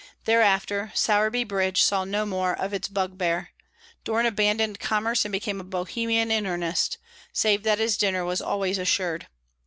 Thereafter Sowerby Bridge saw no more of its bugbear; Doran abandoned commerce and became a Bohemian in earnest save that his dinner was always assured.